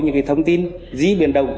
những thông tin dĩ biển động